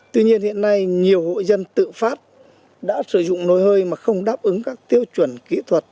tuy nhiên hiện nay nhiều hộ dân tự phát đã sử dụng nồi hơi mà không đáp ứng các tiêu chuẩn kỹ thuật